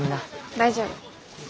大丈夫。